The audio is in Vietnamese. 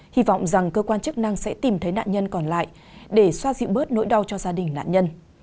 hy vọng rằng cơ quan chức năng sẽ tìm thấy nạn nhân còn lại để xoa dịu bớt nỗi đau cho gia đình nạn nhân